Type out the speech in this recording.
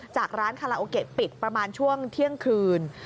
จากร้านคาราโอเกะปิดประมาณช่วงเที่ยงคืน